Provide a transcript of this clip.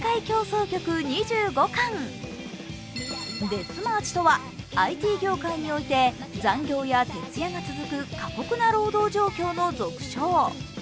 「デスマーチ」とはＩＴ業界において残業や徹夜が続く過酷な労働状況の俗称。